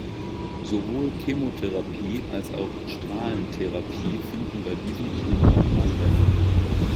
Sowohl Chemotherapie als auch Strahlentherapie finden bei diesem Tumor Anwendung.